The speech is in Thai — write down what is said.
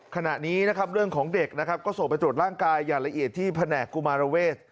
ขณะนี้นะครับเรื่องของเด็กนะครับก็ส่งไปตรวจร่างกายอย่างละเอียดที่แผนกกุมารเวศ